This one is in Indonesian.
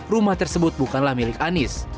rumah tersebut bukanlah milik anies